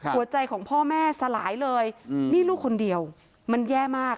หัวใจของพ่อแม่สลายเลยนี่ลูกคนเดียวมันแย่มาก